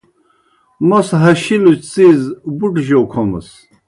موْس ہشِلوْ څِیز بُٹوْ جَوْ کھومَس۔